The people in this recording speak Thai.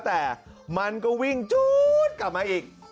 แต่มันก็วิ่งจู๊ดกลับมาอีก